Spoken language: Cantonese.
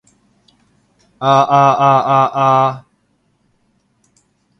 啊啊啊啊啊